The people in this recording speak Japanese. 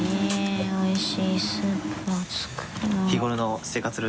おいしいスープを作るのは。